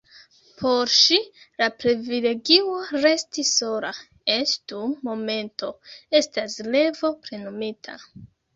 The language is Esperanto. Por ŝi, la privilegio resti sola, eĉ dum momento, estas revo plenumita.